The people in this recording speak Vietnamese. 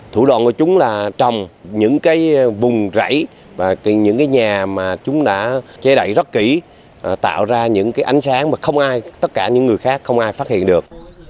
thủ đoạn của chúng là trồng những cái vùng rẫy và những cái nhà mà chúng đã che đậy rất kỹ tạo ra những cái ánh sáng mà không ai tất cả những người khác không ai phát hiện được